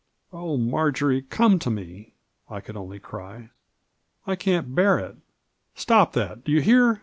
" Oh, Marjory, come to me," I could only cry ;" I can't bear it 1 "" Stop that, do you hear